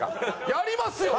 やりますよ俺！